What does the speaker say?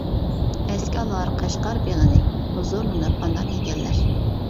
ئەسكە ئالار قەشقەر بېغىنى، ھۇزۇرلىنىپ ئانار يېگەنلەر.